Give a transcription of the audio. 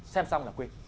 xem xong là quên